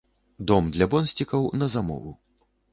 Дом для бонсцікаў на замову.